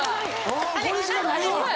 これしかないわ！